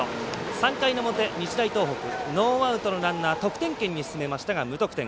３回の表、日大東北ノーアウトのランナー得点圏に進めましたが無得点。